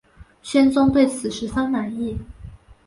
宣宗对此十分满意。